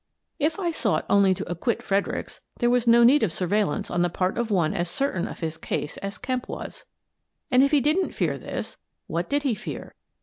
If I sought only to acquit Fredericks, there was no need of surveillance on the part of one as certain of his case as Kemp was. And if he didn't fear this, what did he fear?